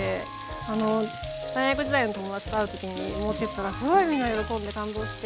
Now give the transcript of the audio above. あの大学時代の友達と会う時に持ってったらすごいみんな喜んで感動して。